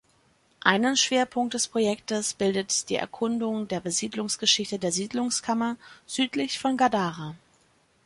Einen Schwerpunkt des Projektes bildet die Erkundung der Besiedlungsgeschichte der Siedlungskammer südlich von Gadara.